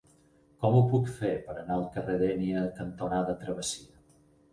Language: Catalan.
Com ho puc fer per anar al carrer Dénia cantonada Travessia?